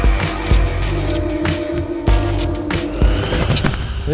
และในค่ำคืนวันนี้แขกรับเชิญที่มาเยี่ยมสักครั้งครับ